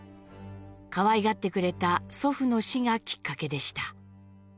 かわいがってくれた祖父の死がきっかけでした。